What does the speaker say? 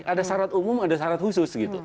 ada syarat umum ada syarat khusus gitu